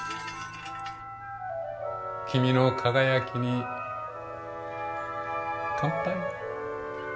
君の輝きに乾杯！